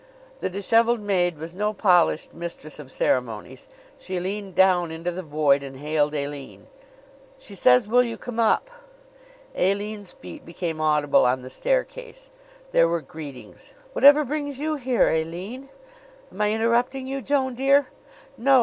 The disheveled maid was no polished mistress of ceremonies. She leaned down into the void and hailed Aline. "She says will you come up?" Aline's feet became audible on the staircase. There were greetings. "Whatever brings you here, Aline?" "Am I interrupting you, Joan, dear?" "No.